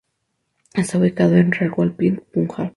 Está ubicado en Rawalpindi, Punjab.